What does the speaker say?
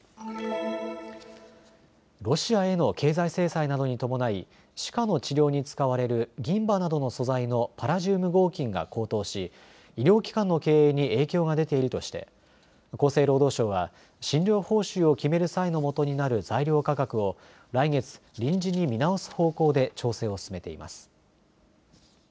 ロシアへの経済制裁などに伴い歯科の治療に使われる銀歯などの素材のパラジウム合金が高騰し医療機関の経営に影響が出ているとして厚生労働省は診療報酬を決める際のもとになる材料価格を来月、臨時に見直す方向で調整を進めています。